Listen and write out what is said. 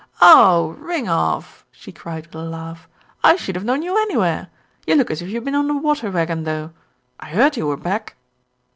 "Oh ! ring off !" she cried with a laugh. "I should have known you anywhere. You look as if you've been on the water wagon, though. I heard you were back."